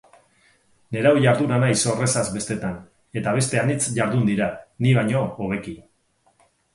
Nerau jarduna naiz horrezaz bestetan, eta beste anitz jardun dira, ni baino hobeki.